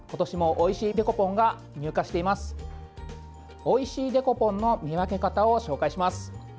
おいしいデコポンの見分け方を紹介します。